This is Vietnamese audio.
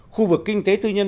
khu vực kinh tế tư nhân